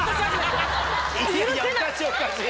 いやいやおかしいおかしい。